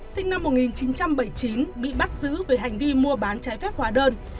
sinh năm một nghìn chín trăm bảy mươi chín bị bắt giữ về hành vi mua bán trái phép hóa đơn